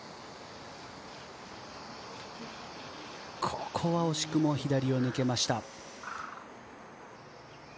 ここは惜しくも左を抜けました。